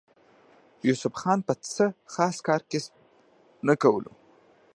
يوسف خان به څۀ خاص کار کسب نۀ کولو